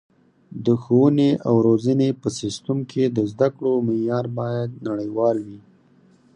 د ښوونې او روزنې په سیستم کې د زده کړو معیار باید نړیوال وي.